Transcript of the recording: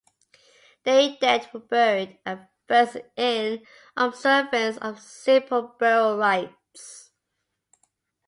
Their dead were buried at first in observance of simple burial rites.